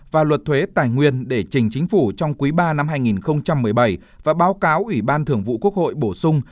và luật thuế tài nguyên để trình chính phủ trong quý ba năm hai nghìn một mươi bảy và báo cáo ủy ban thường vụ quốc hội bổ sung